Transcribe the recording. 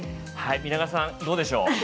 皆川さん、どうでしょう？